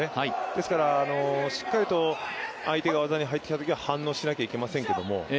ですからしっかりと相手が技に入ってきたときは反応しなきゃいけませんけども。